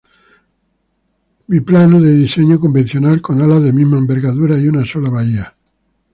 Biplano de diseño convencional con alas de misma envergadura y una sola bahía.